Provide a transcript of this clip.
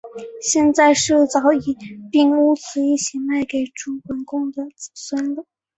现在是早已并屋子一起卖给朱文公的子孙了